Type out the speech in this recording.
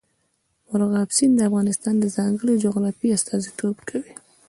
مورغاب سیند د افغانستان د ځانګړي جغرافیه استازیتوب کوي.